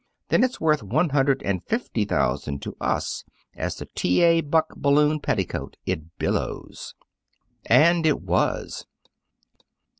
then it's worth one hundred and fifty thousand to us as the 'T. A. Buck Balloon Petticoat. It Billows!'" And it was.